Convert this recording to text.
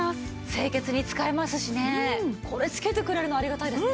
清潔に使えますしねこれ付けてくれるのありがたいですね。